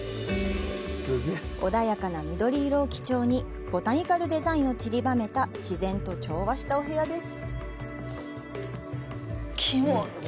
穏やかな緑色を基調にボタニカルデザインをちりばめた自然と調和したお部屋です。